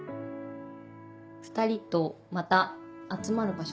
２人とまた集まる場所